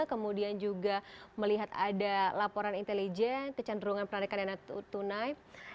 kemudian juga melihat ada laporan intelijen kecenderungan peradakan dana tunai